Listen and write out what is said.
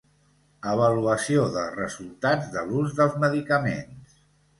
Avaluació de resultats de l'ús dels medicaments.